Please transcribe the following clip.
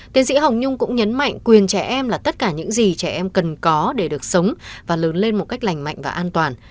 tiến sĩ hồng nhung cũng nhấn mạnh quyền trẻ em là tất cả những gì trẻ em cần có để được sống và lớn lên một cách lành mạnh và an toàn